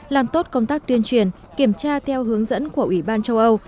làm tốt công tác tuyên truyền kiểm tra theo hướng dẫn của ủy ban châu âu